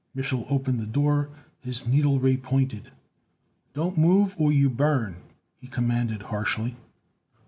Mich'l opened the door, his needle ray pointed. "Don't move, or you burn!" he commanded harshly.